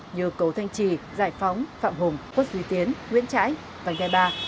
như cầu thanh trì giải phóng phạm hùng quất duy tiến nguyễn trãi văn ghe ba